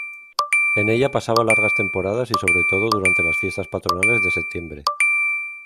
En ella pasaba largas temporadas y sobre todo durante las Fiestas Patronales de septiembre.